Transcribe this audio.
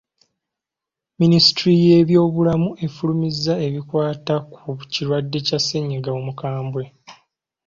Minisitule y'ebyobulamu efulumizza ebikwata ku kirwadde kya ssennyiga omukambwe.